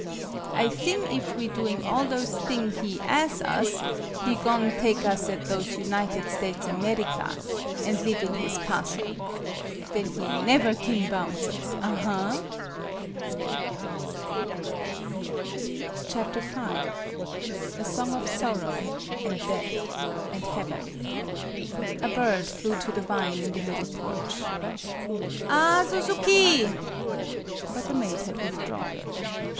I thing if we doing all those thing he as' us, he go'n' take us at those United States America, an' live in his castle. Then he never kin bounce us, aha! " A SONG OF SORROW AND DEATH AND HEAVEN A BIRD flew to the vine in the little porch. "Ah, Suzuki!" But the maid had withdrawn.